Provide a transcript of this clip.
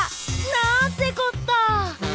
なんてこった！